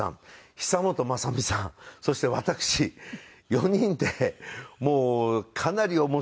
久本雅美さんそして私４人でもうかなり面白い時代劇を。